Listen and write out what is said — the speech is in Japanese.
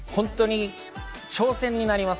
挑戦になります。